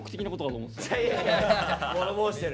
物申してるね。